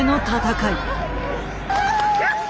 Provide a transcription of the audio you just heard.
よし！